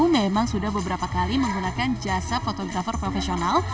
memang sudah beberapa kali menggunakan jasa fotografer profesional